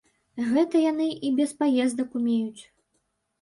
Гэта яны і без паездак умеюць.